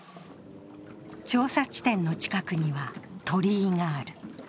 調査地点の近くには鳥居がある。